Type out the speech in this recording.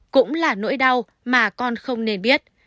cũng là nỗi đau mà con không nên biết